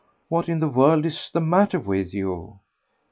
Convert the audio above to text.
"What in the world is the matter with you?"